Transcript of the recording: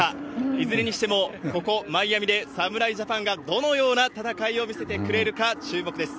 いずれにしても、ここ、マイアミで侍ジャパンがどのような戦いを見せてくれるか、注目です。